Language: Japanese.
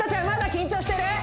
まだ緊張してる？